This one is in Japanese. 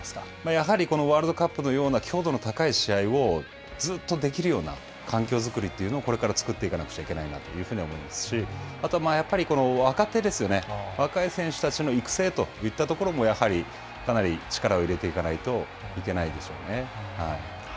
やはりワールドカップのような強度の高い試合をずっとできるような環境作りというのをこれから作っていかなきゃいけないなというふうに思いますし、あとはやっぱり若手、若い選手たちの育成といったところもやはりかなり力を入れていかないといけないでしょうね。